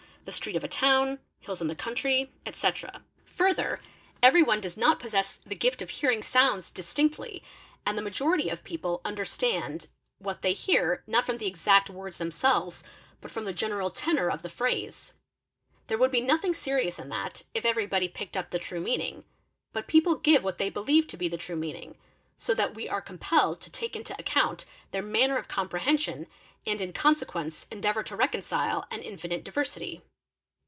the street of a town, hills in the country, etc. | Further, every one does not possess the gift of hearing sounds i PERCEPTION | 69 distinctly and the majority of people understand what they hear not et om the exact words themselves but from the general tenor of the phrase. There would be nothing serious in that, if everybody picked up t true meaning; but people give what they believe to be the true "meaning, so that we are compelled to take into account their manner of comprehension and in consequence endeavour to reconcile an infinite diversity.